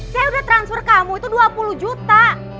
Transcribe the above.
saya udah transfer kamu itu dua puluh juta